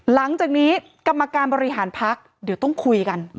หลังจากนี้กรรมการบริหารพักเดี๋ยวต้องคุยกัน